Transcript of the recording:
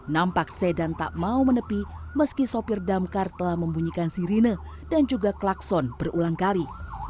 nampak sedan tak mau menepi meski sopir damkar telah membunyikan sirine dan juga klakson berulang kali